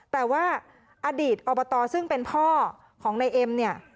แต่ว่าอดีตอบตซึ่งเป็นพ่อของนายเอ็มเนี่ย